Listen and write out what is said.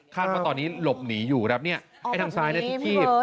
คาดว่าตอนนี้หลบหนีอยู่รับเนี้ยเอ้ยทำซ้ายนะพี่เฮิร์ด